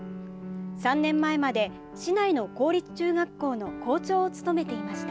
３年前まで、市内の公立中学校の校長を務めていました。